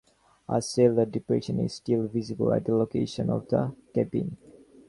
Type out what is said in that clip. A cellar depression is still visible at the location of the cabin.